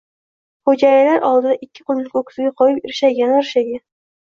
xo’jayinlar oldida ikki qo’lini ko’ksiga qo’yib, irshaygani-irshaygan.